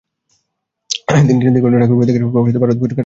তিনি ছিলেন দীর্ঘদিন ঠাকুরবাড়ি থেকে প্রকাশিত 'ভারতী' পত্রিকার সম্পাদিকা।